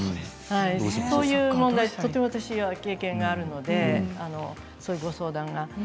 そういう問題、私はとても経験があるのでそういうご相談がね。